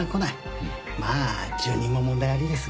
まあ住人も問題ありですが。